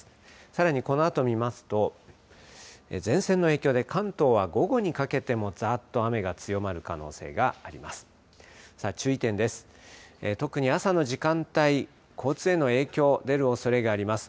さらに、このあと見ますと前線の影響で関東は午後にかけてもざっと雨が強まる可能性があります。